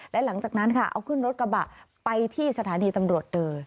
และหลังจากนั้นค่ะเอาขึ้นรถกระบะไปที่สถานีตำรวจเดอร์